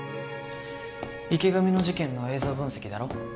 池上の事件の映像分析だろ？